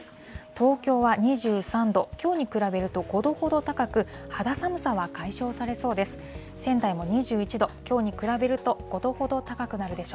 東京は２３度、きょうに比べると５度ほど高く、肌寒さは解消されそうです。